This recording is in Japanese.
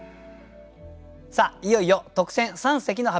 さあいよいよ特選三席の発表です。